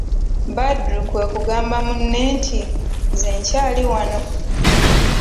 Badru kwe kugamba munne nti:"nze nkyali wanno"